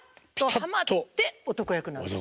はまって男役なんです。